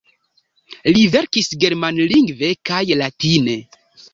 Li verkis germanlingve kaj latine.